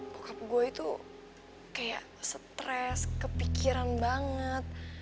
bokap gue itu kayak stres kepikiran banget